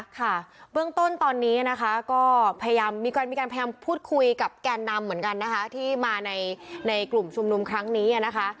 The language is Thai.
ค่ะเบื้องต้นตอนนี้นะคะก็พยายามมีการพยายามพูดคุยกับแกนนำเหมือนกันนะคะที่มาในกลุ่มชุมนุมครั้งนี้นะคะ